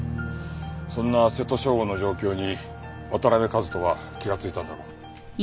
そんな瀬戸将吾の状況に渡辺和登は気がついたんだろう。